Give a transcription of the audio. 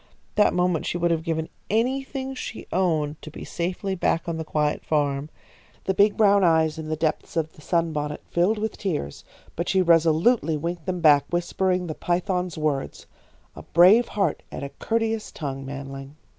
That moment she would have given anything she owned to be safely back on the quiet farm. The big brown eyes in the depths of the sunbonnet filled with tears, but she resolutely winked them back, whispering the python's words: "A brave heart and a courteous tongue, manling."